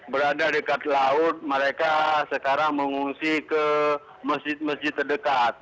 berada dekat laut mereka sekarang mengungsi ke masjid masjid terdekat